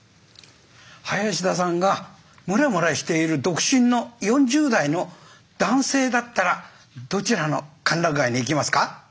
林田さんがムラムラしている独身の４０代の男性だったらどちらの歓楽街に行きますか？